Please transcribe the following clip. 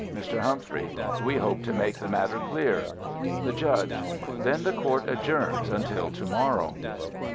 Mr. Humphrey: We hope to make the matter clear. The Judge: Then the Court adjourns until to morrow.